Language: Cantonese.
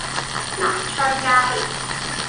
南昌街